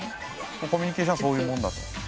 コミュニケーションはそういうもんだと。